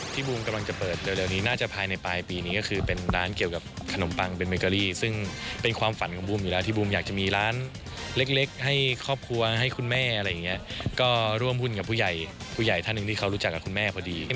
บูมกำลังจะเปิดเร็วนี้น่าจะภายในปลายปีนี้ก็คือเป็นร้านเกี่ยวกับขนมปังเป็นเบเกอรี่ซึ่งเป็นความฝันของบูมอยู่แล้วที่บูมอยากจะมีร้านเล็กให้ครอบครัวให้คุณแม่อะไรอย่างนี้ก็ร่วมหุ้นกับผู้ใหญ่ผู้ใหญ่ท่านหนึ่งที่เขารู้จักกับคุณแม่พอดี